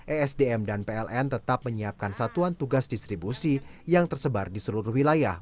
esdm dan pln tetap menyiapkan satuan tugas distribusi yang tersebar di seluruh wilayah